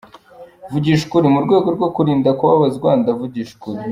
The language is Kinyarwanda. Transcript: Vugisha ukuri mu rwego rwo kwirinda kubabazwa!” Ndavugisha ukuriI!”